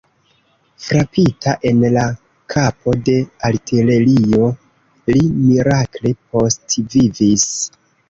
Frapita en la kapo de artilerio, li mirakle postvivis.